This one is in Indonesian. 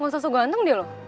gak usah so go ganteng dia lo